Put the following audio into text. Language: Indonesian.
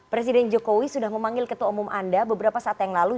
presiden jokowi sudah memanggil ketua umum anda beberapa saat yang lalu